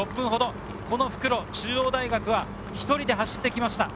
この復路、中央大学は１人で走ってきました。